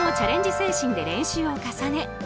精神で練習を重ね